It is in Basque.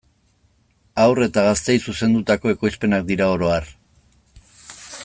Haur eta gazteei zuzendutako ekoizpenak dira oro har.